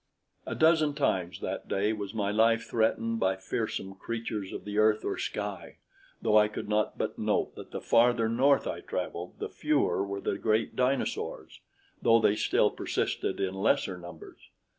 A dozen times that day was my life threatened by fearsome creatures of the earth or sky, though I could not but note that the farther north I traveled, the fewer were the great dinosaurs, though they still persisted in lesser numbers.